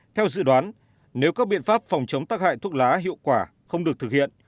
theo dự đoán nếu các biện pháp phòng chống tắc hại thuốc lá hiệu quả không được thực hiện